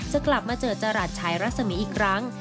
จะกลับมาเจอจรัสชายรัศมีอีกครั้ง